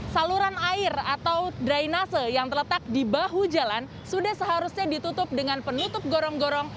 saluran air atau drainase yang terletak di bahu jalan sudah seharusnya ditutup dengan penutup gorong gorong